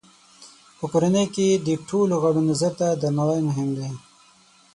په کورنۍ کې د ټولو غړو نظر ته درناوی مهم دی.